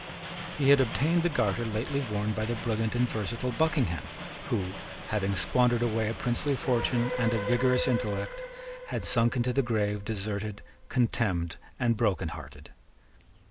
He had obtained the garter lately worn by the brilliant and versatile Buckingham, who, having squandered away a princely fortune and a vigorous intellect, had sunk into the grave deserted, contemned, and broken hearted.